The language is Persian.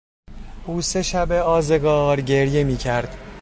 او سه شب آزگار گریه میکرد.